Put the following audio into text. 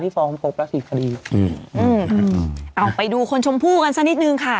ที่๔คอปปล่านะสี่คดีอืมอืมเอาไปดูคนชมผู้กันสักนิดนึงค่ะ